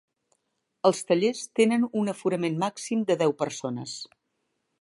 Els tallers tenen un aforament màxim de deu persones.